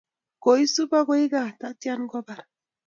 Koisup akoy kaa, tatyan kopar.